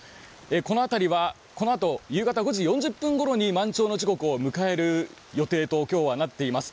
この辺りはこのあと夕方５時４０分ごろに満潮を迎える予定となっています。